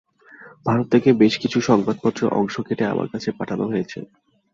ভারত থেকে বেশ কিছু সংবাদপত্রের অংশ কেটে আমার কাছে পাঠান হয়েছে।